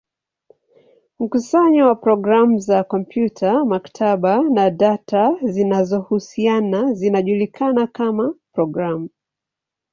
Mkusanyo wa programu za kompyuta, maktaba, na data zinazohusiana zinajulikana kama programu.